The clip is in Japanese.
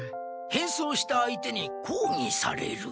変装した相手にこうぎされる。